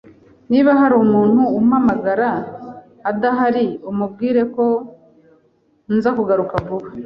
Niba hari umuntu umpamagara adahari, umubwire ko nzagaruka vuba.